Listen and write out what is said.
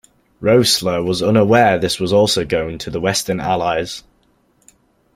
Roessler was unaware this was also going to the Western Allies.